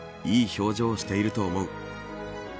いい表情をしていると思う。